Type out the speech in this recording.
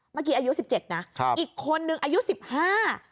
เมื่อกี้อายุสิบเจ็ดนะครับอีกคนนึงอายุสิบห้า